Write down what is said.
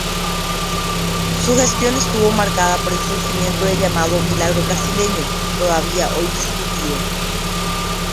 Su gestión estuvo marcada por el surgimiento del llamado "milagro brasileño", todavía hoy discutido.